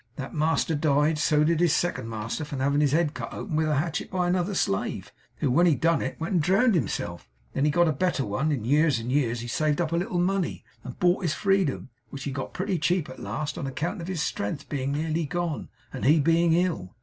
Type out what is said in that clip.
That master died; so did his second master from having his head cut open with a hatchet by another slave, who, when he'd done it, went and drowned himself; then he got a better one; in years and years he saved up a little money, and bought his freedom, which he got pretty cheap at last, on account of his strength being nearly gone, and he being ill.